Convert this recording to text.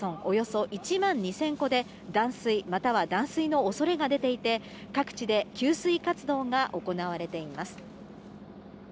およそ１万２０００戸で断水または断水のおそれが出ていて、各地で給水活動が行われています。